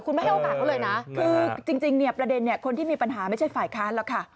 คุณไม่ให้โอกาสเขาเลยนะคือจริงเนี่ยประเด็นคนที่มีปัญหาไม่ใช่ฝ่ายค้านหรอกค่ะ